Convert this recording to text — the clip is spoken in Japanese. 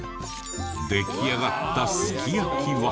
出来上がったすき焼きは。